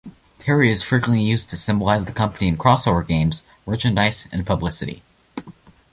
Terry is frequently used to symbolize the company in crossover games, merchandise and publicity.